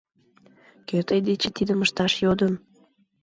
Кӧ тый дечет тидым ышташ йодын?